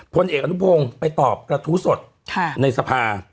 พลเอกอนุพงศ์ไปตอบกระทู้สดในสภา